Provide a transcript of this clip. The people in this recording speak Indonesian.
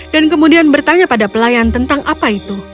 dan kemudian bertanya pada pelayan tentang apa itu